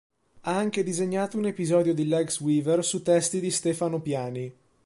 Ha anche disegnato un episodio di Legs Weaver su testi di Stefano Piani.